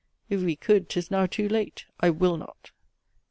If we could, 'tis now too late. I will not.